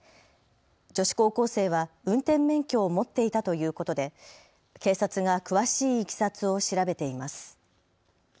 女子高校生は運転免許を持っていたということで警察が詳しいいきさつを調べています。